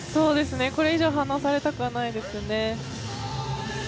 これ以上放されたくはないですね。